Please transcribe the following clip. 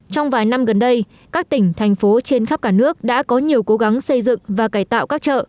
trong vài năm gần đây các tỉnh thành phố trên khắp cả nước đã có nhiều cố gắng xây dựng và cải tạo các chợ